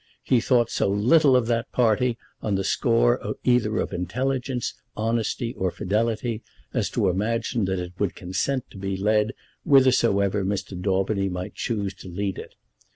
He thought so little of that party, on the score either of intelligence, honesty, or fidelity, as to imagine that it would consent to be led whithersoever Mr. Daubeny might choose to lead it.